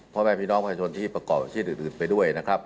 พ่อแม่พี่น้องประชาชนที่ประกอบอาชีพอื่นไปด้วยนะครับ